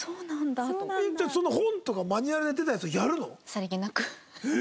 その本とかマニュアルで出たやつをやるの？